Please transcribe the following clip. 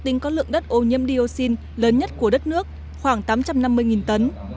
tính có lượng đất ô nhiễm dioxin lớn nhất của đất nước khoảng tám trăm năm mươi tấn